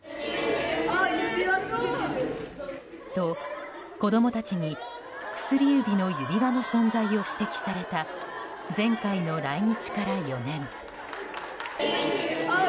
と、子供たちに薬指の指輪の存在を指摘された前回の来日から４年。